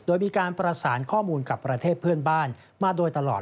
โดยมีการประสานข้อมูลกับประเทศเพื่อนบ้านมาโดยตลอด